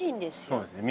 そうですね。